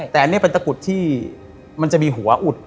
แต่อันนี้เป็นตะกุดที่มันจะมีหัวอุด